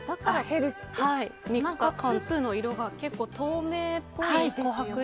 スープの色が結構、透明っぽく。